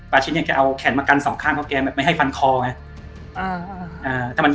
ปาชินแกเอาแขนมากันสองข้างของแกไม่ให้ฟันคอไง